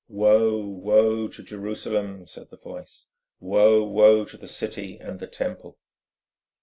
"Woe, woe to Jerusalem!" said the voice. "Woe, woe to the City and the Temple!"